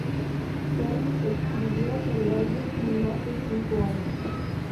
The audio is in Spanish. Kerli escribió el álbum en más de cinco años.